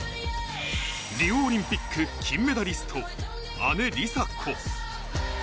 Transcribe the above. リオオリンピック金メダリスト、姉、梨紗子。